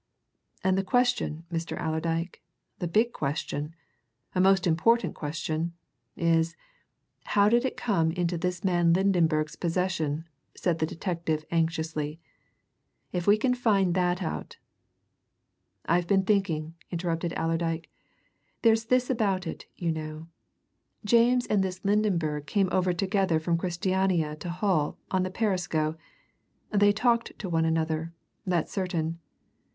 "And the question, Mr. Allerdyke, the big question a most important question! is, how did it come into this man Lydenberg's possession?" said the detective anxiously. "If we can find that out " "I've been thinking," interrupted Allerdyke. "There's this about it, you know: James and this Lydenberg came over together from Christiania to Hull in the Perisco. They talked to one another that's certain.